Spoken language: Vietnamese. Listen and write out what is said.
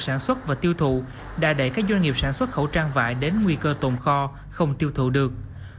sản xuất và tiêu thụ đã đẩy các doanh nghiệp sản xuất khẩu trang vải đến nguy cơ tồn kho không tiêu thụ được